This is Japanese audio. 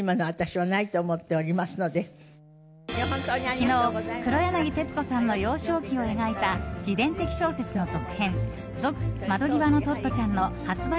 昨日、黒柳徹子さんの幼少期を描いた自伝的小説の続編「続窓ぎわのトットちゃん」の発売